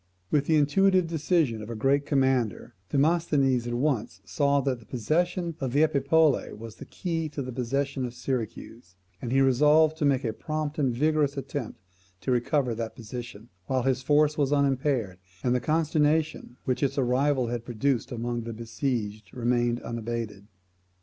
With the intuitive decision of a great commander, Demosthenes at once saw that the possession of Epipolae was the key to the possession of Syracuse, and he resolved to make a prompt and vigorous attempt to recover that position, while his force was unimpaired, and the consternation which its arrival had produced among the besieged remained unabated.